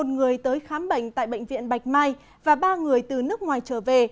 một người tới khám bệnh tại bệnh viện bạch mai và ba người từ nước ngoài trở về